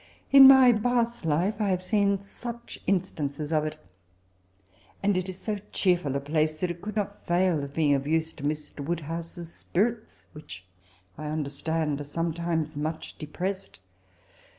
In my Bath life, I have seen such instances of it I And it is so cheer fol a placo, that it oould not fail of being of use to Mr. Woodhoose's spirits^ which, I understand, are sometimes much de pressed.